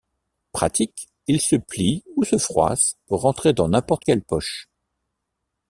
Pratique, il se plie ou se froisse pour rentrer dans n'importe quelle poche.